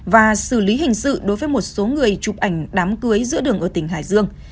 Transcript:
và xử lý hình sự đối với một số người chụp ảnh đám cưới giữa đường ở tỉnh hải dương